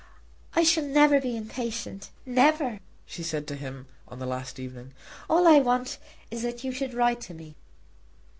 "I shall never be impatient, never," she said to him on the last evening. "All I want is that you should write to me."